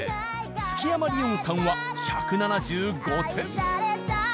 月山鈴音さんは１７５点。